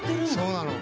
そうなの。